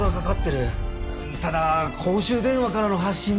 ただ公衆電話からの発信で。